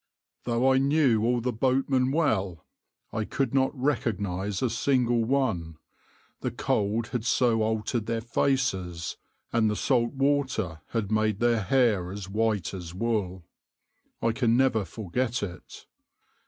Though I knew all the boatmen well, I could not recognise a single one, the cold had so altered their faces, and the salt water had made their hair as white as wool. I can never forget it.